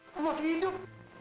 aku masih hidup